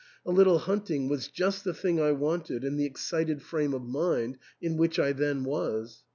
A little hunting was just the thing I wanted in the excited frame of mind in which I then was.